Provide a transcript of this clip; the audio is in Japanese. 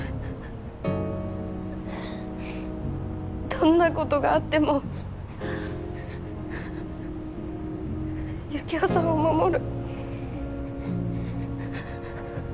どんなことがあってもユキオさんを守る。